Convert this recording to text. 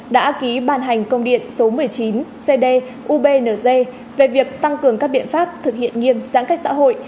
đã ký bàn hành công điện số một mươi chín cd ubnz về việc tăng cường các biện pháp thực hiện nghiêm giãn cách xã hội